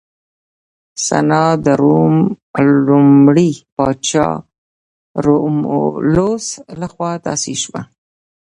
سنا د روم لومړي پاچا رومولوس لخوا تاسیس شوه